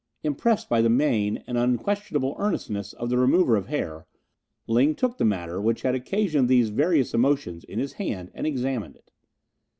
Impressed by the mien and unquestionable earnestness of the remover of hair, Ling took the matter which had occasioned these various emotions in his hand and examined it.